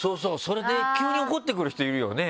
それで急に怒ってくる人いるよね。